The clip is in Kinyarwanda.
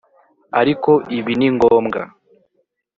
Ariko ibi ni ngombwa